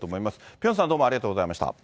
ピョンさん、どうもありがとうございました。